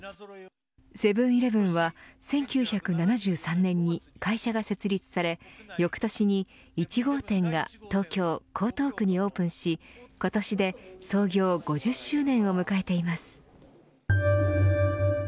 セブン‐イレブンは１９７３年に会社が設立され翌年に１号店が東京、江東区にオープンし今年で創業５０周年を迎えています